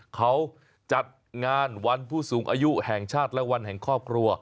เขาจัดงานวันผู้สูงอายุแห่งชาติและวันแห่งครอบครัว